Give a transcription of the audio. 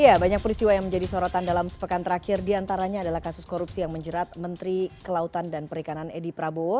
ya banyak peristiwa yang menjadi sorotan dalam sepekan terakhir diantaranya adalah kasus korupsi yang menjerat menteri kelautan dan perikanan edi prabowo